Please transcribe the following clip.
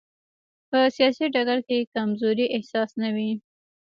په سیاسي ډګر کې کمزورۍ احساس نه وي.